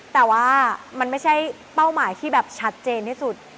แต่ว่ามันไม่ใช่เป้าหมายที่แบบชัดเจนที่สุด